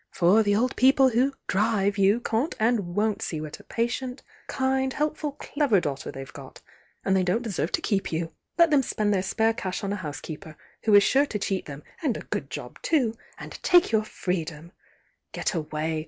For the old people who drive you can't and won't see what a patient, kind, helpful clever daughter they've got, and they don't deserve to keep you. Let them spend their spare cash on a housekeeper, who is sure to cheat them (and a good job too!) and take your freedom Get away!